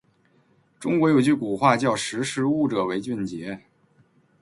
中国有句古话，叫“识时务者为俊杰”。